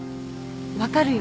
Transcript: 分かるよ